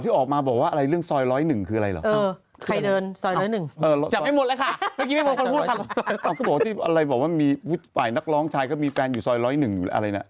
ก็บอกที่อะไรบอกว่ามีฝ่ายนักร้องชายก็มีแฟนอยู่ซอย๑๐๑อะไรนะ